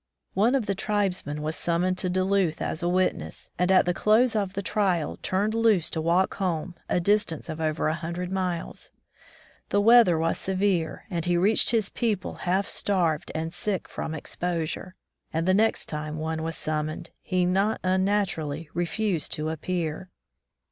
One of the tribesmen was summoned to 170 Back to the Woods Duluth as a witness, and at the close of the trial turned loose to walk home, a distance of over a hundred miles. The weather was severe and he reached his people half starved and sick from exposure, and the next time one was summoned, he not unnaturally refused to appear.